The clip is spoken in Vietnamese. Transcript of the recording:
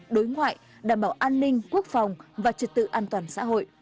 đối ngoại đảm bảo an ninh quốc phòng và trật tự an toàn xã hội